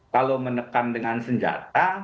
kalau menekan dengan senjata